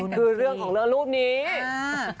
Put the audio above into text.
คือเรื่องของเลือดรูปนี้ขอทุกกี้อย่างชิ้นค่ะ